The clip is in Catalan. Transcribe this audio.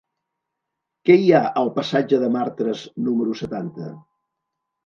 Què hi ha al passatge de Martras número setanta?